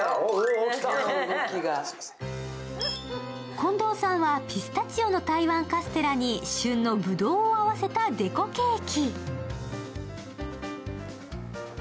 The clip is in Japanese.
近藤さんはピスタチオの台湾カステラに旬のぶどうを合わせたデコケーキ。